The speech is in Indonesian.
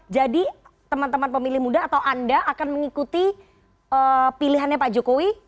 jadi teman teman pemilih muda atau anda akan mengikuti pilihannya pak jokowi